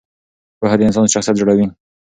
پوهه د انسان شخصیت جوړوي.